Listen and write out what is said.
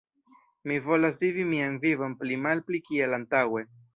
Mi volas vivi mian vivon pli-malpli kiel antaŭe.